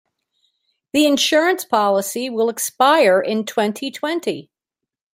The insurance policy will expire in twenty-twenty.